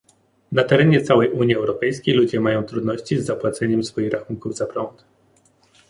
Na terenie całej Unii Europejskiej ludzie mają trudności z zapłaceniem swoich rachunków za prąd